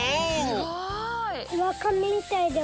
すごい！